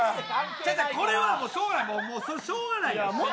これはもうしようがない、しょうがないやん。